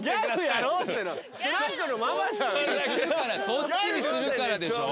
そっちにするからでしょ。